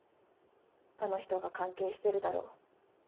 「あの人が関係してるだろう」